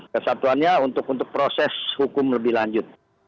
kesatuannya untuk proses hukum lebih lanjut